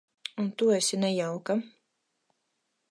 Un tu esi nejauka.